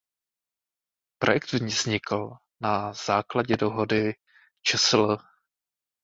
Projekt vznikl na základě dohody čsl.